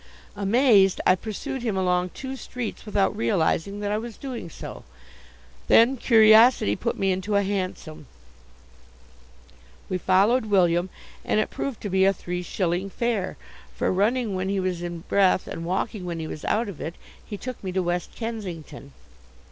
Amazed, I pursued him along two streets without realizing that I was doing so. Then curiosity put me into a hansom. We followed William, and it proved to be a three shilling fare, for running when he was in breath and walking when he was out of it, he took me to West Kensington.